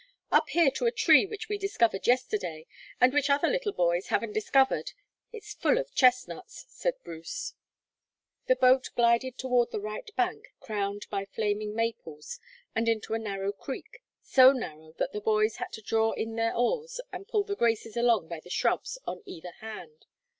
"Up here to a tree which we discovered yesterday, and which other little boys haven't discovered it's full of chestnuts," said Bruce. The boat glided toward the right bank, crowned by flaming maples, and into a narrow creek, so narrow that the boys had to draw in their oars and pull The Graces along by the shrubs on either hand.